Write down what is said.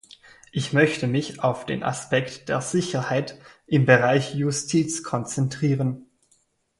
Ich möchte mich auf den Aspekt der Sicherheit im Bereich Justiz konzentrieren.